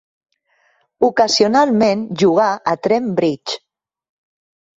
Ocasionalment jugà a Trent Bridge.